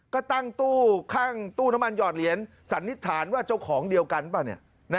ก็ตั้งตู้ข้างตู้น้ำมันหอดเหรียญสันนิษฐานว่าเจ้าของเดียวกันเปล่าเนี่ย